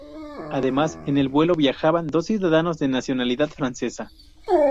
Además, en el vuelo viajaban dos ciudadanos de nacionalidad francesa.